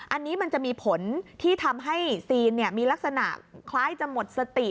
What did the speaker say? อันนี้มันจะมีผลที่ทำให้ซีนมีลักษณะคล้ายจะหมดสติ